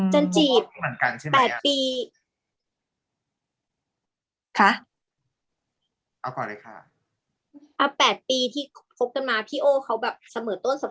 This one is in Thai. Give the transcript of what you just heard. จนจีบ๘ปีที่คบกันมาพี่โอเค้าแบบเสมอต้นเสมอต้น